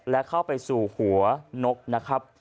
และเข้าไปสู่หัวนกนะครับ